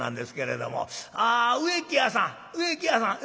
「ああ植木屋さん植木屋さん」。